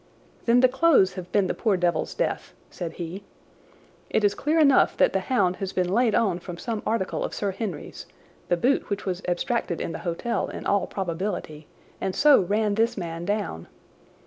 "Then the clothes have been the poor devil's death," said he. "It is clear enough that the hound has been laid on from some article of Sir Henry's—the boot which was abstracted in the hotel, in all probability—and so ran this man down.